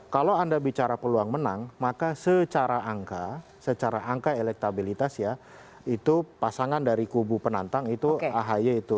kalau anda bicara peluang menang maka secara angka secara angka elektabilitas ya itu pasangan dari kubu penantang itu ahy itu